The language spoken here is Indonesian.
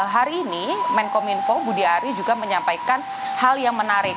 hari ini menkom info budi ari juga menyampaikan hal yang menarik